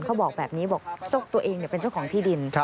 เขาบอกแบบนี้บอกตัวเองเป็นเจ้าของที่ดิน